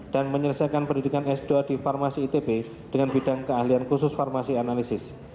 dan menyelesaikan pendidikan s dua di farmasi itb dengan bidang keahlian khusus farmasi analisis